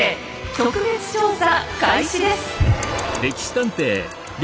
特別調査開始です。